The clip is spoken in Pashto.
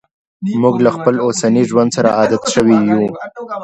موږ له خپل اوسني ژوند سره عادت شوي یو.